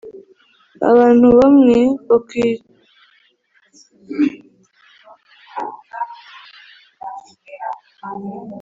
abantu bamwe bakwibaza ukuri kwibihuha nkibi